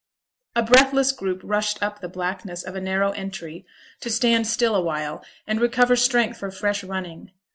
A breathless group rushed up the blackness of a narrow entry to stand still awhile, and recover strength for fresh running.